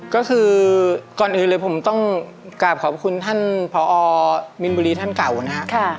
ก็คือก่อนอื่นเลยผมต้องกราบขอบคุณท่านพอมินบุรีท่านเก่านะครับ